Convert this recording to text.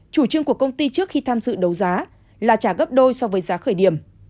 chủ trương của công ty trước khi tham dự đấu giá là trả gấp đôi so với giá khởi điểm